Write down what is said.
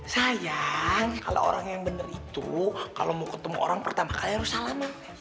sayang kalau orang yang bener itu kalau mau ketemu orang pertama kali harus salam